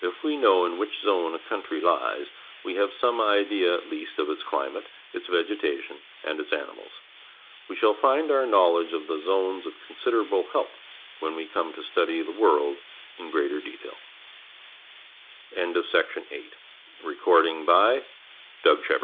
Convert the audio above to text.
If we know in what zone a country lies, we have some idea, at least, of its climate, its vegetation, and its animals. We shall find our knowledge of the zones of considerable help when we come to study the world in greater detail. THE ATMOSPHERE, WINDS, AND RAIN The Atmosphere.